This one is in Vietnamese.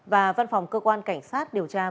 và văn phòng cơ quan cảnh sát điều tra bộ công an